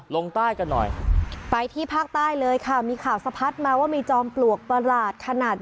ลงใต้กันหน่อยไปที่ภาคใต้เลยค่ะมีข่าวสะพัดมาว่ามีจอมปลวกประหลาดขนาด